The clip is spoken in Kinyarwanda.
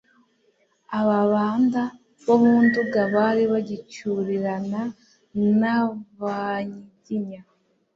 Ababanda bo mu Nduga bari bagicyurirana n'Abanyiginya.